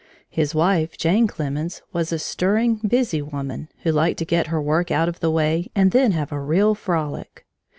His wife, Jane Clemens, was a stirring, busy woman, who liked to get her work out of the way and then have a real frolic.